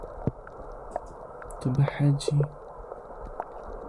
Tu behecî.